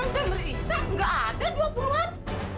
sampai merisak gak ada dua puluh ribuan